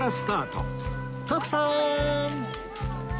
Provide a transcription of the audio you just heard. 徳さん！